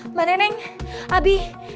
mbak neneng abi